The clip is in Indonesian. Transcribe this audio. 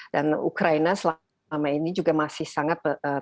dan ukraina selama ini juga masih sangat tergantung kepada